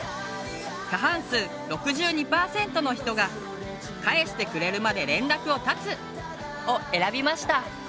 過半数６２％の人が「返してくれるまで連絡を断つ」を選びました。